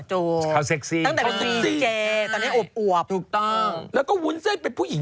หิวไปจูง